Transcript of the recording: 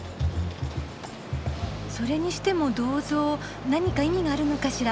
それにしても銅像何か意味があるのかしら？